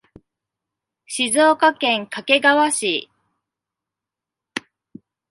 静岡県掛川市